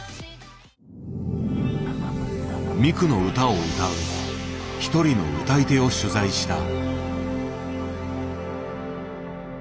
ミクの歌を歌う一人の歌い手を取材した。